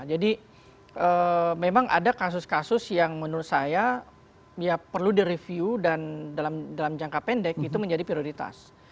jadi memang ada kasus kasus yang menurut saya perlu direview dan dalam jangka pendek itu menjadi prioritas